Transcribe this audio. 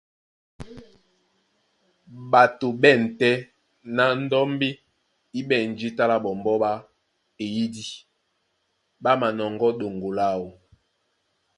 Ɓato ɓá ɛ̂n tɛ́ ná ndɔ́mbí í ɓɛ̂n jǐta lá ɓɔmbɔ́ ɓá eyìdí, ɓá manɔŋgɔ́ ɗoŋgo láō.